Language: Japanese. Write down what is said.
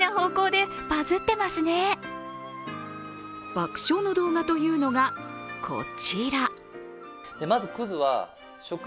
爆笑の動画というのが、こちら。